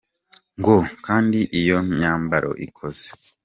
Ngo kandi iyo myambaro ikoze.